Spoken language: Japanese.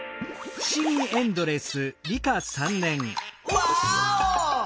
ワーオ！